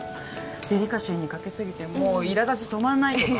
デリカシーに欠けすぎてもういらだち止まんないとか？